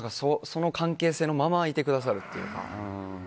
その関係性のままいてくださるというか。